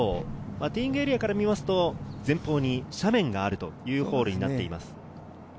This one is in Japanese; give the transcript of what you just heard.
ティーイングエリアから見ると、前方に斜面があるというホールになっています。